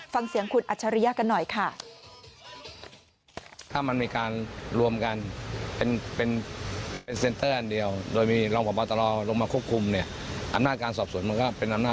ฟังเสียงคุณอัจฉริยะกันหน่อยค่ะ